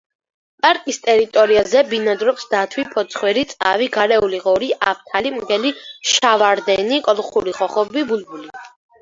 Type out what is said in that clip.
პარკის ტერიტორიაზე ბინადრობს დათვი, ფოცხვერი, წავი, გარეული ღორი, აფთარი, მგელი, შავარდენი, კოლხური ხოხობი, ბულბული.